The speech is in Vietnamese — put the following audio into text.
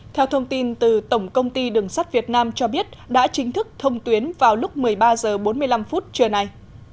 theo thông tin từ tổng công ty đường sắt việt nam cho biết đã chính thức thông tuyến vào lúc một mươi ba h bốn mươi năm trưa nay